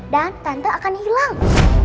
dan tante akan hilang